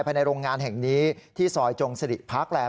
ภายในโรงงานแห่งนี้ที่ซอยจงสริพาร์คแลนด